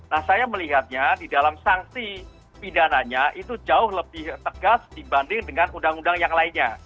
nah saya melihatnya di dalam sanksi pidananya itu jauh lebih tegas dibanding dengan undang undang yang lainnya